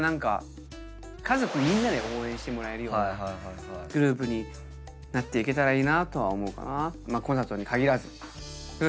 家族みんなで応援してもらえるようなグループになっていけたらいいなとは思うかな。